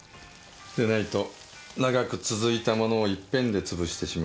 でないと長く続いたものを一遍で潰してしまう。